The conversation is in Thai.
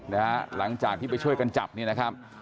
หลังจากที่ไปช่วยกันจับเนี่ยนะครับ